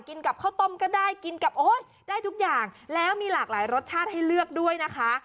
กินกับข้าวต้มก็ได้กินกับโอ๊ยได้ทุกอย่างแล้วมีหลากหลายรสชาติให้เลือกด้วยนะคะ